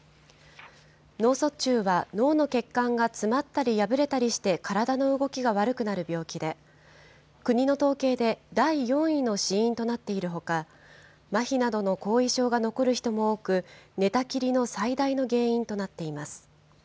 脳卒中は脳の血管が詰まったり破れたりして、体の動きが悪くなる病気で、国の統計で第４位の死因となっているほか、まひなどの後遺症が残る人も多く、寝たきりの最大の原因となっています。